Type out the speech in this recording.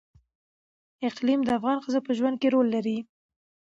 اقلیم د افغان ښځو په ژوند کې رول لري.